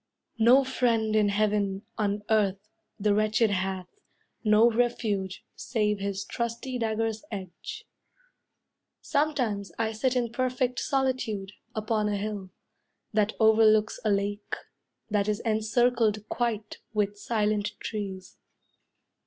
No friend in heaven, on earth, the wretched hath, No refuge, save his trusty dagger's edge. Sometimes I sit in perfect solitude, Upon a hill, that overlooks a lake, That is encircled quite with silent trees.